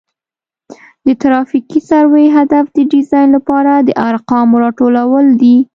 د ترافیکي سروې هدف د ډیزاین لپاره د ارقامو راټولول دي